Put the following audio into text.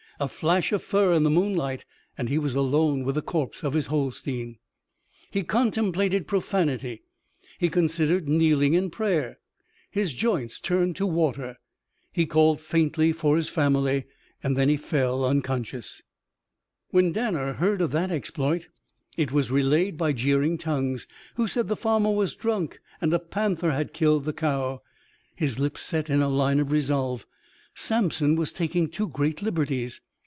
A flash of fur in the moonlight, and he was alone with the corpse of his Holstein. He contemplated profanity, he considered kneeling in prayer. His joints turned to water. He called faintly for his family. He fell unconscious. When Danner heard of that exploit it was relayed by jeering tongues who said the farmer was drunk and a panther had killed the cow his lips set in a line of resolve. Samson was taking too great liberties.